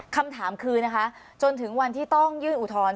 คำถามคือนะคะจนถึงวันที่ต้องยื่นอุทธรณ์